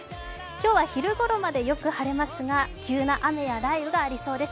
今日は昼ごろまでよく晴れますが急な雨や雷雨がありそうです